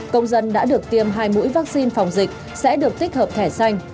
công dân đã được tiêm hai mũi vaccine phòng dịch sẽ được tích hợp thẻ xanh